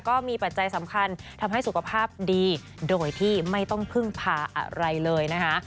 ปัจจัยสำคัญทำให้สุขภาพดีโดยที่ไม่ต้องพึ่งพาอะไรเลยนะคะ